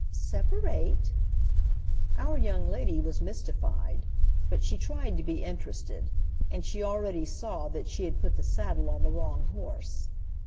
"Separate?" Our young lady was mystified, but she tried to be interested; and she already saw that she had put the saddle on the wrong horse.